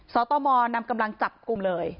สตมนำกำลังจับกลุ่มเลย